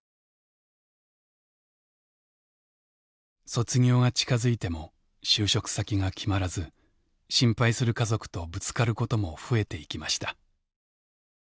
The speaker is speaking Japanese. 卒業が近づいても就職先が決まらず心配する家族とぶつかることも増えていきました。